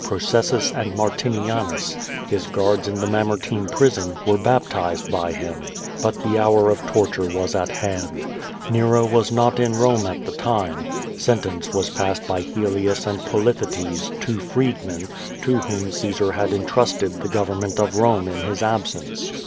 Pro cessus and Martinianus, his guards in the Mamertine prison, were baptized by him. But the hour of torture was at hand. Nero was not in Konie at the time. Sentence was passed by Helius and Polythetes, two freedmen, to whom Caesar had intrusted the government of Rome in his absence.